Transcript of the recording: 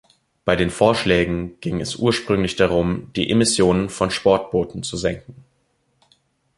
Bei den Vorschlägen ging es ursprünglich darum, die Emissionen von Sportbooten zu senken.